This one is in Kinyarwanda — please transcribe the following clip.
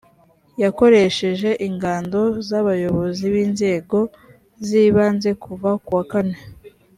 yakoresheje ingando z abayobozi b inzego z ibanze kuva ku wa kane